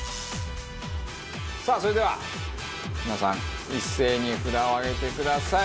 さあそれでは皆さん一斉に札を上げてください。